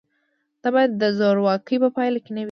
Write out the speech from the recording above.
دا باید د زورواکۍ په پایله کې نه وي.